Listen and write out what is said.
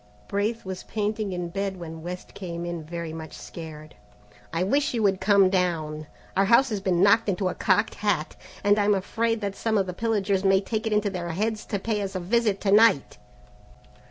Braith was painting in bed when West came in very much scared. "I wish you would come down; our house has been knocked into a cocked hat, and I'm afraid that some of the pillagers may take it into their heads to pay us a visit to night."